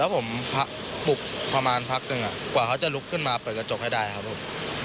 แล้วผมปลุกประมาณพักหนึ่งกว่าเขาจะลุกขึ้นมาเปิดกระจกให้ได้ครับผม